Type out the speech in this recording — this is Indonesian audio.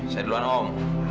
saya duluan om